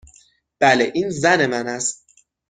بله. این زن من است.